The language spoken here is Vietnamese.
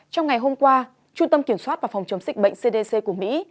trong ngày hôm qua trung tâm kiểm soát và phòng chống dịch bệnh cdc của mỹ